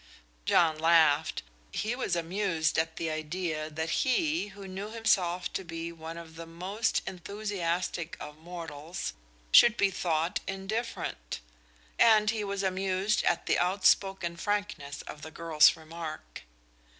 John laughed. He was amused at the idea that he, who knew himself to be one of the most enthusiastic of mortals, should be thought indifferent; and he was amused at the outspoken frankness of the girl's remark.